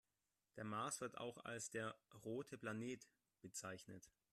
Der Mars wird auch als der „rote Planet“ bezeichnet.